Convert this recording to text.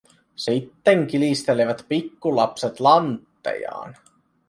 Sitten kilistelevät pikku lapset lanttejaan.